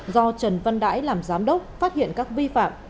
do trần văn đãi làm giám đốc phát hiện các vi phạm